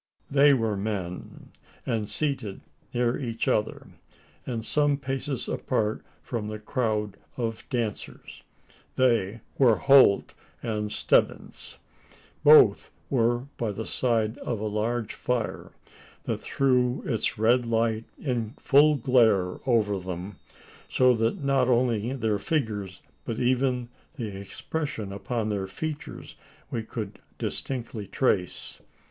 They were men, and seated near each other, and some paces apart from the crowd of dancers. They were Holt and Stebbins. Both were by the side of a large fire, that threw its red light in full glare over them so that not only their figures, but even the expression upon their features we could distinctly trace.